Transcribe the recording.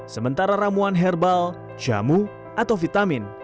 sementara ramuan herbal jamu atau vitamin